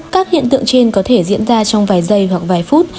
các hiện tượng trên có thể diễn ra trong vài giây hoặc vài phút